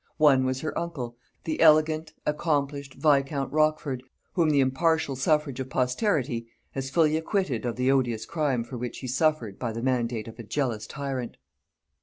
One was her uncle, the elegant, accomplished, viscount Rochford, whom the impartial suffrage of posterity has fully acquitted of the odious crime for which he suffered by the mandate of a jealous tyrant.